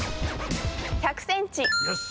１００ｃｍ。